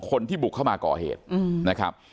คนที่บุกเข้ามาก่อเหตุนะครับ